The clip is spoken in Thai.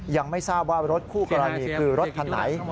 ยังไม่ทราบว่ารถคู่กรณีคือรถคันไหน